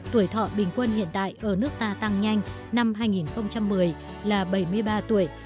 tuổi thọ bình quân hiện tại ở nước ta tăng nhanh là bảy mươi ba tuổi